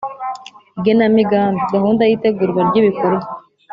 igenamigambi: gahunda y’itegurwa ry’ibikorwa